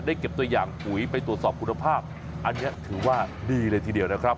เก็บตัวอย่างปุ๋ยไปตรวจสอบคุณภาพอันนี้ถือว่าดีเลยทีเดียวนะครับ